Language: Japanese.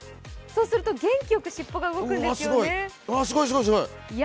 そう、すると元気よく尻尾が動くんですよね。